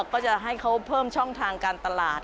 ก็จะให้เขาเพิ่มช่องทางการตลาด